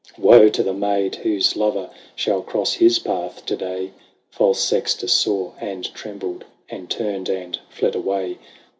Woe to the maid whose lover Shall cross his path to day ! False Sextus saw, and trembled. And turned, and fled away.